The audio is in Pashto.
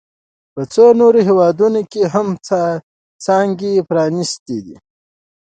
په څو نورو هېوادونو کې هم څانګې پرانیستي دي